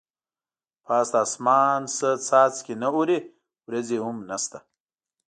پاس له اسمان نه څاڅکي نه اوري ورېځې هم نشته.